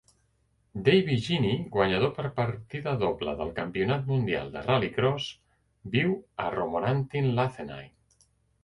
Davy Jeanney, guanyador per partida doble del Campionat Mundial de Ral·licròs, viu a Romorantin-Lanthenay.